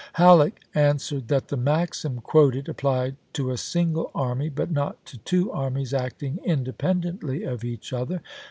Halleck answered that the maxim quoted applied " to a single army, but not to two armies acting in dependently of each other.